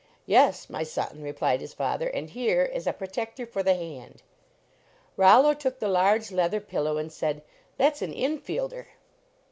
"Yes, my son," replied his father, "and here is a protector for the hand." Rollo took the large leather pillow and said: "That s an infielder."